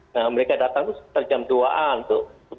nah mereka datang itu sekitar jam dua an tuh